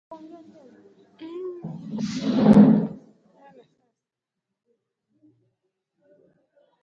Muda wa kufika kazini na kuondoka ukaongezeka